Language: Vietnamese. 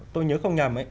tôi nhớ không nhầm ấy